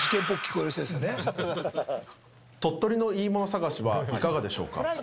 鳥取のいいもの探しはいかがでしょうか？